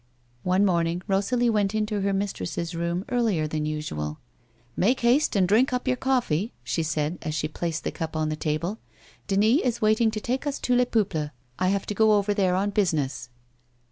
One morning Eosalie went into her mistress's room earlier than usual. " Make haste and drink up your coffee," she said as she placed the cup on the table. " Denis is waiting to take us to Les Peuples. I have to go over there on business."